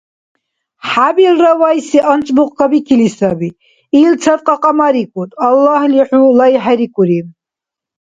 ХӀябилра вайси анцӀбукь кабикили саби. Илцад кьакьамарикӀуд, аллагьли хӀу лайхӀерикӀури.